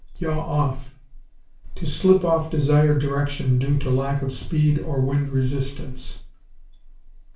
Yaw off To slip off desired direction due to lack of speed or wind resistance.